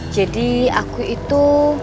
jadi aku itu